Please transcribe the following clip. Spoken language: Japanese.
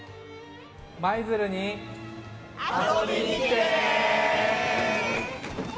舞鶴に遊びに来てね！